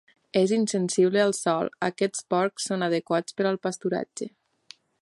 És insensible al sol, aquests porcs són adequats per al pasturatge.